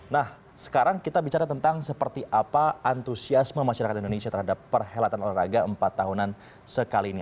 nah sekarang kita bicara tentang seperti apa antusiasme masyarakat indonesia terhadap perhelatan olahraga empat tahunan sekali ini